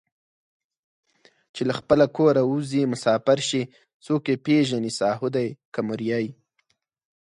چې له خپله کوره اوځي مسافر شي څوک یې پېژني ساهو دی که مریی